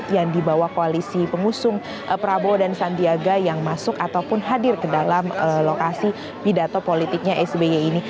yang dibawa koalisi pengusung prabowo dan sandiaga yang masuk ataupun hadir ke dalam lokasi pidato politiknya sby ini